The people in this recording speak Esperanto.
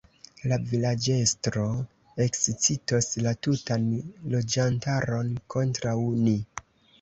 La vilaĝestro ekscitos la tutan loĝantaron kontraŭ ni.